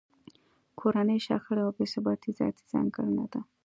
کورنۍ شخړې او بې ثباتۍ ذاتي ځانګړنه ده